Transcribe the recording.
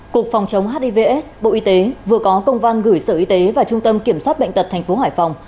cục phòng chống hivs bộ y tế vừa có công văn gửi sở y tế và trung tâm kiểm soát bệnh tật tp hải phòng